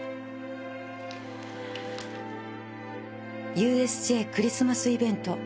［ＵＳＪクリスマスイベント］